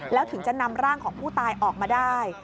แล้วถึงจะนำร่างของผู้ตายออกมาได้